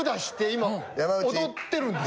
今踊ってるんです。